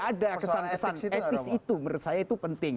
ada kesan kesan etis itu menurut saya itu penting